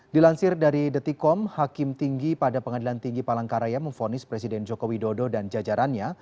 dilansir dari detikom hakim tinggi pada pengadilan tinggi palangkaraya memfonis presiden joko widodo dan jajarannya